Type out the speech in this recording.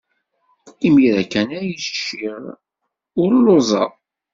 Imir-a kan ay cciɣ. Ur lluẓeɣ.